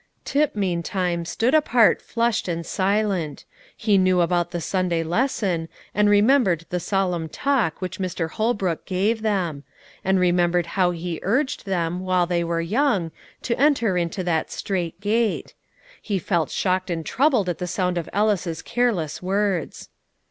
Tip, meantime, stood apart flushed and silent; he knew about the Sunday lesson, and remembered the solemn talk which Mr. Holbrook gave them; and remembered how he urged them, while they were young, to enter into that strait gate; he felt shocked and troubled at the sound of Ellis's careless words.